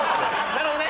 なるほどね。